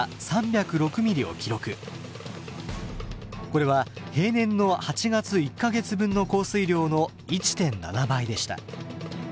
これは平年の８月１か月分の降水量の１．７倍でした。